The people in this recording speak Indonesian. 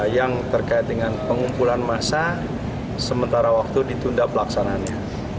yang terkait dengan pengumpulan masa sementara waktu ditunda pelaksanannya